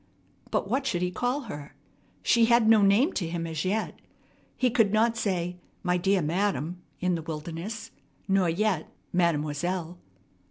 But what should he call her? She had no name to him as yet. He could not say, "My dear madam" in the wilderness, nor yet "mademoiselle."